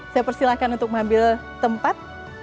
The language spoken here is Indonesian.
saya persilahkan untuk mengambil tempat